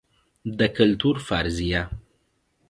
د کلتور فرضیه